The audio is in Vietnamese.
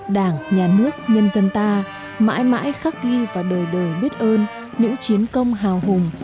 đảng nhà nước nhân dân ta mãi mãi khắc ghi và đời đời biết ơn những chiến công hào hùng